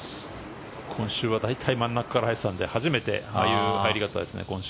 今週は大体真ん中から入っていたので初めてああいう入り方ですね。